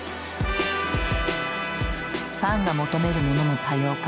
ファンが求めるものも多様化。